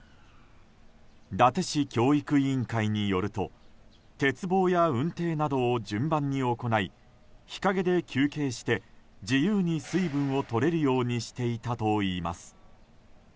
伊達市教育委員会によると鉄棒やうんていなどを順番に行い日陰で休憩して自由に水分をとれるようにしていたといいます。